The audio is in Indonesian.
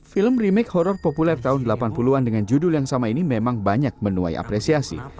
film remake horor populer tahun delapan puluh an dengan judul yang sama ini memang banyak menuai apresiasi